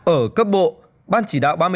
ở cấp bộ ban chỉ đạo ba mươi năm